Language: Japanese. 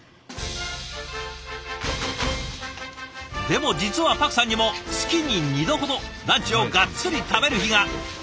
でも実はパクさんにも月に２度ほどランチをガッツリ食べる日が！